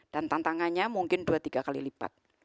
dan tantangannya mungkin dua tiga kali lipat